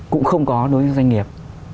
cũng không có đối với doanh nghiệp